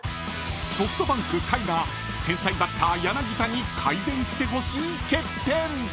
［ソフトバンク甲斐が天才バッター柳田に改善してほしい欠点］